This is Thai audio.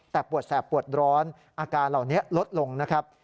แต่ปวดแสบปวดร้อนอาการเหล่านี้ลดลงนะครับ